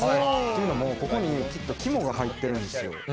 というのも、ここにきっと肝が入ってるんですよ。